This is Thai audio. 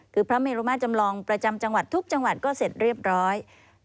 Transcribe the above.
คือพระเมรุมาจำลองประจำจังหวัดทุกจังหวัดก็เสร็จเรียบร้อย